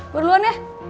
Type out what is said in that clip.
gue duluan ya